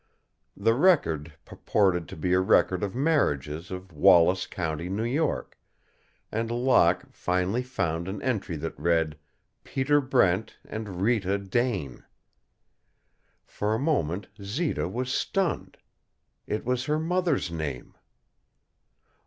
The record purported to be a record of marriages of Wallace County, New York, and Locke finally found an entry that read, "Peter Brent and Rita Dane." For a moment Zita was stunned. It was her mother's name.